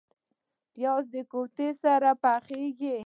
پیاز د کوفتې سره پخیږي